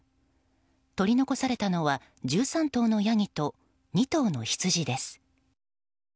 取り残されたのは１３頭のヤギと２頭のヒツジです。